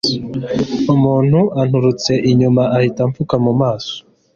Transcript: umuntu anturutse inyuma ahita imfuka mu maso